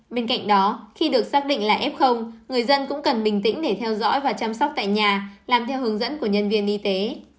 bên cạnh đó khi được xác định là f người dân cũng cần bình tĩnh để theo dõi và chăm sóc tại nhà làm theo hướng dẫn của nhân viên y tế